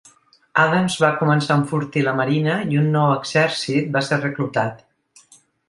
Adams va començar a enfortir la marina, i un nou exèrcit va ser reclutat.